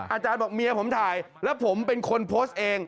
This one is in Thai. อาจารย์บอกเมียผมถ่ายแล้วผมเป็นคนโพสต์เอง